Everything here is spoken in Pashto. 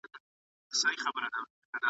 چي پر ځان مو راوستلې تباهي ده `